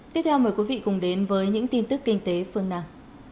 tiếp theo mời quý vị cùng đến với những tin tức kinh tế phương nam